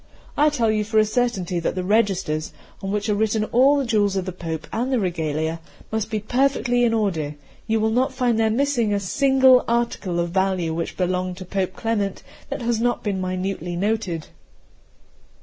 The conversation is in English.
I tell you for a certainty that the registers, on which are written all the jewels of the Pope and the regalia, must be perfectly in order; you will not find there missing a single article of value which belonged to Pope Clement that has not been minutely noted.